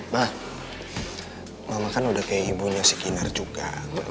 ma mama kan udah kayak ibunya si kinar juga